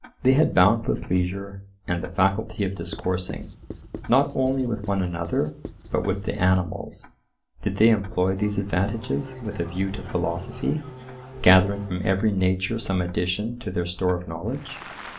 They had boundless leisure and the faculty of discoursing, not only with one another, but with the animals. Did they employ these advantages with a view to philosophy, gathering from every nature some addition to their store of knowledge?